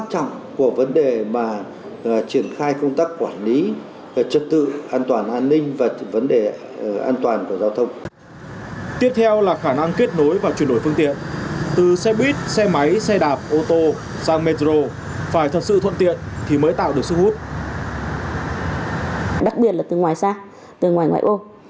trong chương trình ngày hôm nay chúng tôi đã mời tới trường quay